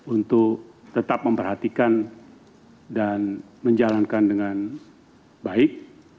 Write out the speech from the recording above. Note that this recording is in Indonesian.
untuk tetap memperhatikan dan menjalankan dengan baik